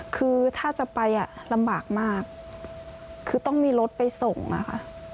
คือถ้าจะไปอ่ะลำบากมากคือต้องมีรถไปส่งอะค่ะ